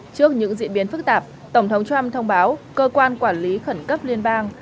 trước những diễn biến phức tạp tổng thống trump thông báo cơ quan quản lý khẩn cấp liên bang